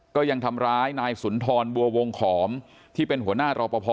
ก็ยังทำร้ายนายสุนทรบัววงขอมที่เป็นหัวหน้ารอปภ